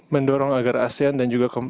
mendorong agar asean dan juga